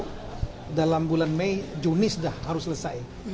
karena dalam bulan mei juni sudah harus selesai